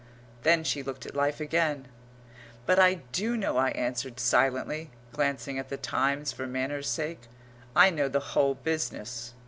Then she looked at life again. "But I do know," I answered silently, glancing at the Times for manners' sake. "I know the whole business.